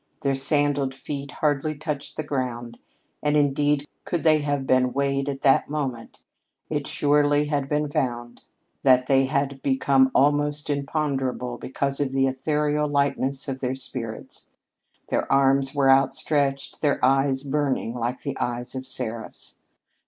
Their sandaled feet hardly touched the ground, and, indeed, could they have been weighed at that moment, it surely had been found that they had become almost imponderable because of the ethereal lightness of their spirits. Their arms were outstretched; their eyes burning like the eyes of seraphs.